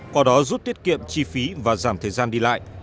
qua đó giúp tiết kiệm chi phí và giảm thời gian đi lại